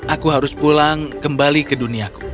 aku harus pulang kembali ke duniaku